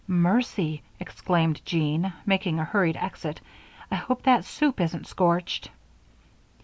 "Mercy!" exclaimed Jean, making a hurried exit, "I hope that soup isn't scorched!"